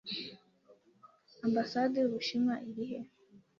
Ambasade y'Ubushinwa iri he?